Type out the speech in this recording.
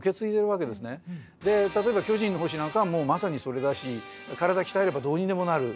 で例えば「巨人の星」なんかはもうまさにそれだし体鍛えればどうにでもなる。